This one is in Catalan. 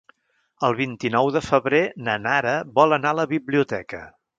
El vint-i-nou de febrer na Nara vol anar a la biblioteca.